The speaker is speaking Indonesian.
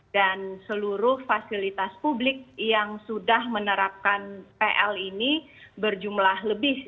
dan seluruh fasilitas publik yang sudah menerapkan pl ini berjumlah lebih